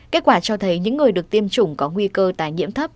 kết quả cho thấy những người được tiêm chủng có nguy cơ tài nhiễm thấp